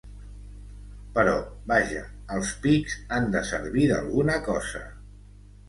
…Però vaja, els pics han de servir d’alguna cosa.